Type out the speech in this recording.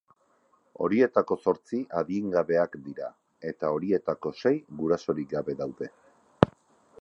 Horietako zortzi adingabeak dira, eta horietako sei gurasorik gabe daude.